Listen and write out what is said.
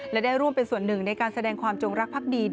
และได้ร่วมเป็นส่วนหนึ่งในการแสดงความจงรักภักดี